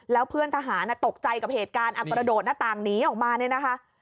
แล้วเพื่อนทหารตกใจกับเหตุการณ์กระโดดหน้าต่างหนีออกมาเนี่ยนะคะ